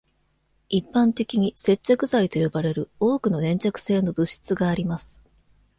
一般的に「接着剤」と呼ばれる多くの粘着性の物質があります。